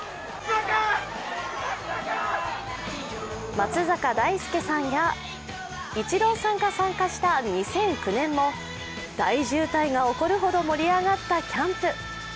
松坂大輔さんやイチローさんが参加した２００９年も大渋滞が起こるほど盛り上がったキャンプ。